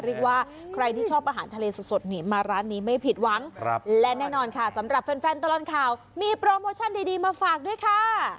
เรียกว่าใครที่ชอบอาหารทะเลสดนี่มาร้านนี้ไม่ผิดหวังและแน่นอนค่ะสำหรับแฟนตลอดข่าวมีโปรโมชั่นดีมาฝากด้วยค่ะ